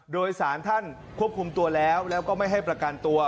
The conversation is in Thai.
โดยสารท่านควบคุมตัวแล้วแล้วก็ไม่ให้ประกันตัว